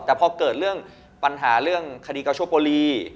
แต่พอเกิดเรื่องปัญหาเรื่องคดีกาโชโปรี